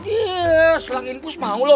iya selangin pus mau lo